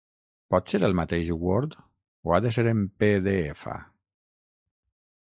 Pot ser el mateix word o ha de ser en pe de efa?